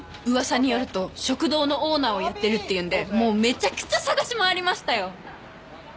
噂によると食堂のオーナーをやってるっていうんでもうめちゃくちゃ捜し回りましたよ。